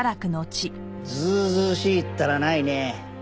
ずうずうしいったらないね。